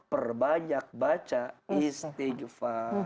perbanyak baca istighfar